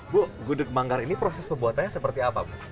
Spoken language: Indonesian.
bu gudeg manggar ini proses pembuatannya seperti apa bu